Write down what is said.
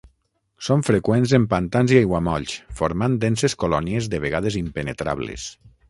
Són freqüents en pantans i aiguamolls, formant denses colònies de vegades impenetrables.